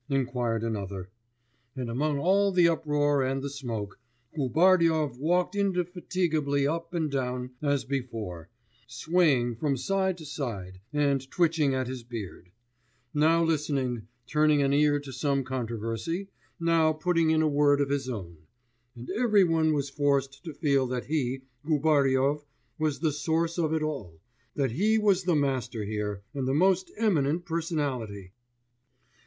inquired another. And among all the uproar and the smoke, Gubaryov walked indefatigably up and down as before, swaying from side to side and twitching at his beard; now listening, turning an ear to some controversy, now putting in a word of his own; and every one was forced to feel that he, Gubaryov, was the source of it all, that he was the master here, and the most eminent personality....